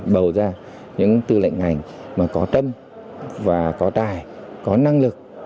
bầu ra những tư lệnh ngành mà có tâm và có tài có năng lực